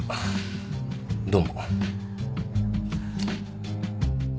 どうも。